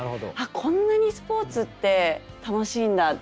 こんなにスポーツって楽しいんだ。